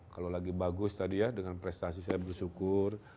kalau lagi bagus tadi ya dengan prestasi saya bersyukur